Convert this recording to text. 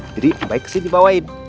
jadi om baik kesini bawain